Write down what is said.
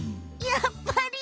やっぱり！